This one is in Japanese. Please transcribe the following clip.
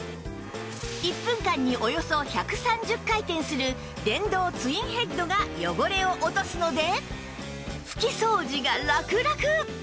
１分間におよそ１３０回転する電動ツインヘッドが汚れを落とすので拭き掃除がラクラク！